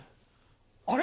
あれ？